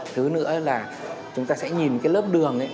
thứ nữa là chúng ta sẽ nhìn cái lớp đường ấy